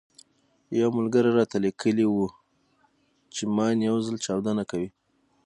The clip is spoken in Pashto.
يو ملګري راته ليکلي وو چې ماين يو ځل چاودنه کوي.